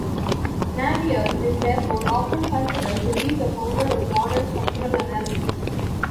Navier is therefore often considered to be the founder of modern structural analysis.